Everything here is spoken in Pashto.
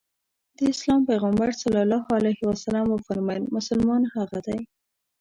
د اسلام پيغمبر ص وفرمايل مسلمان هغه دی.